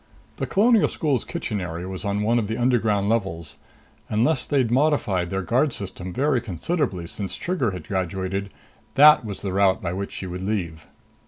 The Colonial School's kitchen area was on one of the underground levels. Unless they'd modified their guard system very considerably since Trigger had graduated, that was the route by which she would leave.